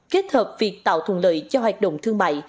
kết hợp việc tạo thuận lợi cho hoạt động thương mại